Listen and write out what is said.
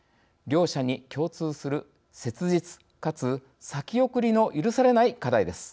両者に共通する切実、かつ先送りの許されない課題です。